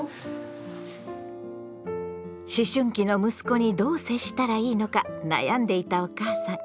思春期の息子にどう接したらいいのか悩んでいたお母さん。